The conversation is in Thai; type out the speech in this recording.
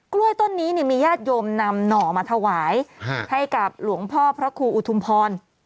กล้วยต้นนี้มีญาติโยมนำหน่อมาถวายให้กับหลวงพ่อพระครูอุทุมพร